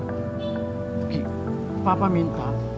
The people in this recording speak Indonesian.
kekik papa minta